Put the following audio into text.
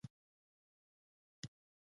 د غلام د همیشه ژوند نه ښه دی.